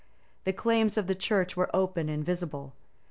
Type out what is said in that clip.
The claims of the church were open and visible.